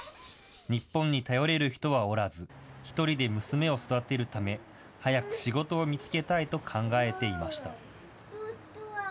日本に頼れる人はおらず、１人で娘を育てるため、早く仕事を見つけたいと考えていました。